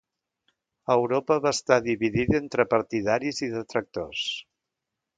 Europa va estar dividida entre partidaris i detractors.